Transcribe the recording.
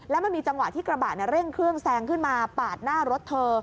แล้วมันมีจังหวะที่กระบะเร่งเครื่องแซงขึ้นมาปาดหน้ารถเธอ